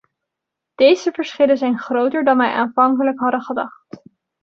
Deze verschillen zijn groter dan wij aanvankelijk hadden gedacht.